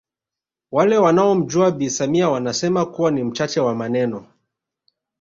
Wale wanaomjua Bi Samia wanasema kuwa ni mchache wa maneno